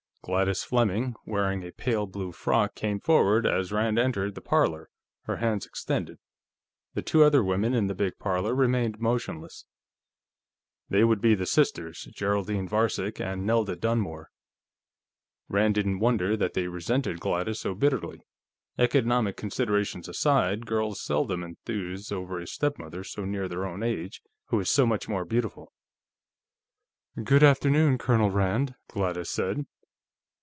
Gladys Fleming, wearing a pale blue frock, came forward as Rand entered the parlor, her hand extended. The two other women in the big parlor remained motionless. They would be the sisters, Geraldine Varcek and Nelda Dunmore. Rand didn't wonder that they resented Gladys so bitterly; economic considerations aside, girls seldom enthuse over a stepmother so near their own age who is so much more beautiful. "Good afternoon, Colonel Rand," Gladys said.